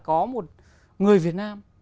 có một người việt nam